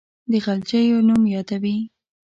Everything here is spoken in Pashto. د غلجیو نوم یادوي.